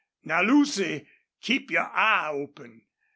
Now, Lucy, keep your eye open.